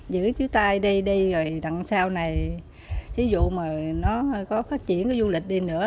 giữ chiếu tay đây đây rồi rằng sau này ví dụ mà nó có phát triển cái du lịch đi nữa